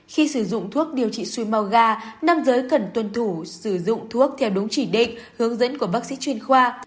khi sử dụng thuốc điều trị suối màu gà nam giới cần tuân thủ sử dụng thuốc theo đúng chỉ định hướng dẫn của bác sĩ chuyên khoa